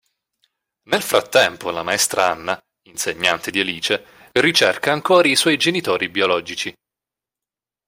Nel frattempo la maestra Anna, insegnante di Alice, ricerca ancora i suoi genitori biologici.